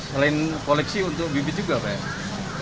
selain koleksi untuk bibit juga pak ya